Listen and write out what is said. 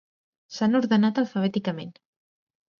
S'han ordenat alfabèticament.